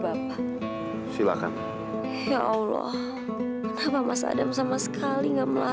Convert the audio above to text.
aku tidak mendatang rina